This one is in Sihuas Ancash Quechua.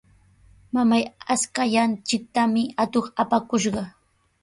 ¡Mamay, ashkallanchiktami atuq apakushqa!